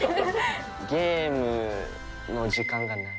ゲームの時間がない。